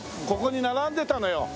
ここに並んでたのよ